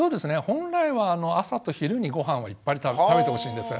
本来は朝と昼にごはんをいっぱい食べてほしいんです。